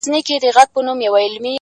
• سړې شپې يې تېرولې په خپل غار كي,